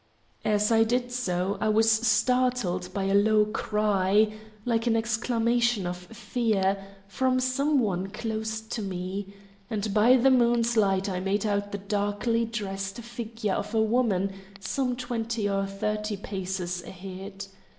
As I did so I was startled by a low cry, like an exclamation of fear, from some one close to me; and by the moon's light I made out the darkly dressed figure of a woman some twenty or thirty paces ahead.